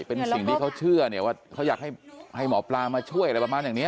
เป็นสิ่งที่เขาเชื่อเนี่ยว่าเขาอยากให้หมอปลามาช่วยอะไรประมาณอย่างนี้